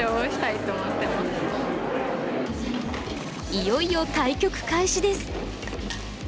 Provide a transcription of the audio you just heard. いよいよ対局開始です。